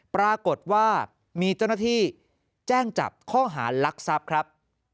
ปรากฏว่ามีเจ้าหน้าที่แจ้งจับข้อหารักทรัพย์ครับ